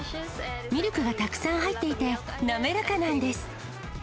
ミルクがたくさん入っていて、滑らかなんです。